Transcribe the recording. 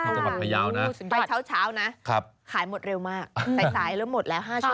ตำบลแม่ตำไปเช้านะขายหมดเร็วมากแตนสายหมดแล้ว๕ชั่ว